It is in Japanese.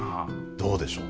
どうでしょう？